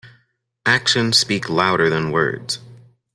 Actions speak louder than words.